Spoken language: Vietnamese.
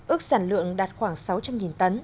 ước sản lượng đạt khoảng sáu trăm linh tấn